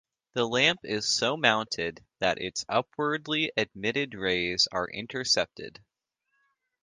The lamp is so mounted that its upwardly emitted rays are intercepted.